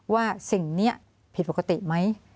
ว่าสิ่งนี้ผิดปกติไหม